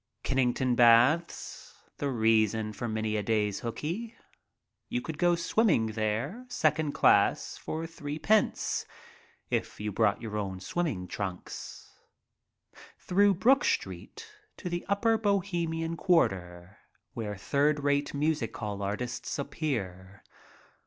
Kennington Baths, the reason for many a day's hookey. You could go swimming there, second class, for threepence (if you brought your own swimming trunks). Through Brook Street to the upper Bohemian quarter, where third rate music hall artists appear.